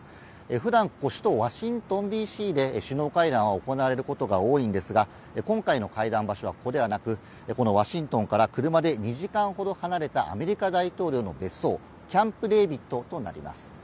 ふだん、ここ首都ワシントンＤＣで首脳会談が行われることが多いんですが、今回の会談場所はここではなく、このワシントンから車で２時間ほど離れたアメリカ大統領の別荘、キャンプ・デービッドとなります。